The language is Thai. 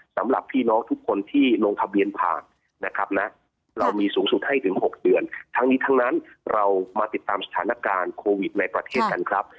สำหรับพี่น้องทุกคนที่ลงทะเบียนผ่านนะครับนะเรามีสูงสุดให้ถึง๖เดือนทั้งนี้ทั้งนั้นเรามาติดตามสถานการณ์โควิดในประเทศกันครับ